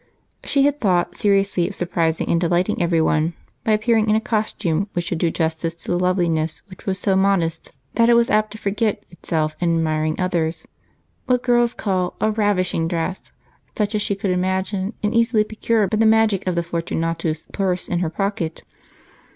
She had thought seriously of surprising and delighting everyone by appearing in a costume which should do justice to the loveliness which was so modest that it was apt to forget itself in admiring others what girls call a "ravishing" dress, such as she could imagine and easily procure by the magic of the Fortunatus' purse in her pocket.